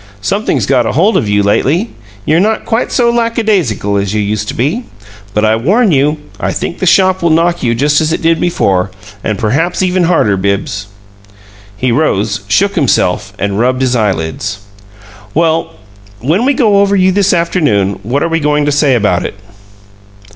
Something's got hold of you lately; you're not quite so lackadaisical as you used to be. But I warn you: I think the shop will knock you just as it did before, and perhaps even harder, Bibbs." He rose, shook himself, and rubbed his eyelids. "Well, when we go over you this afternoon what are we going to say about it?"